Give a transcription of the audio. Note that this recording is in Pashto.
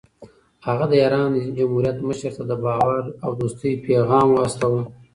هغه د ایران اسلامي جمهوریت مشر ته د باور او دوستۍ پیغام واستاوه.